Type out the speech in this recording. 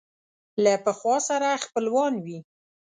له پخوا سره خپلوان وي